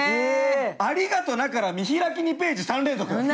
「ありがとな」から見開き２ページ３連続。